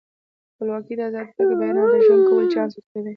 خپلواکي د ازاد فکر، بیان او ژوند کولو چانس ورکوي.